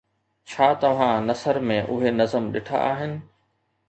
ڇا توهان نثر ۾ اهي نظم ڏٺا آهن؟